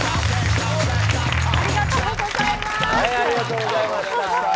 ありがとうございます。